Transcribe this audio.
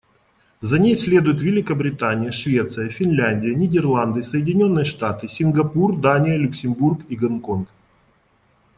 За ней следуют Великобритания, Швеция, Финляндия, Нидерланды, Соединённые Штаты, Сингапур, Дания, Люксембург и Гонконг.